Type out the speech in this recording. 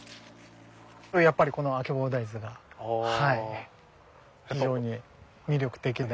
やっぱりこのあけぼの大豆が非常に魅力的で。